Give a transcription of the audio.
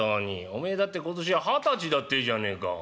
おめえだって今年二十歳だってえじゃねえか」。